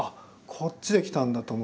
こっちできたんだと思って。